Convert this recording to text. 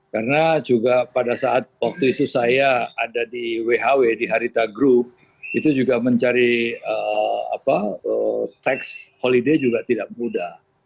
karena juga pada saat waktu itu saya ada di whw di harita group itu juga mencari tax holiday juga tidak mudah